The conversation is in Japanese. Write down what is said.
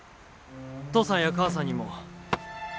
父さんや母さんにも。